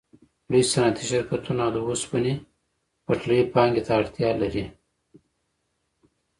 لوی صنعتي شرکتونه او د اوسپنې پټلۍ پانګې ته اړتیا لري